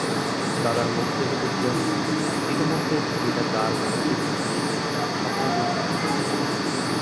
দাদার মুখ দেখে বুঝলুম, ইতিমধ্যে ছবিটা তাঁর মগজের মধ্যে ঢুকে স্বপ্নের রূপ ধরেছে।